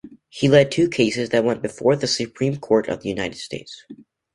He led two cases that went before the Supreme Court of the United States.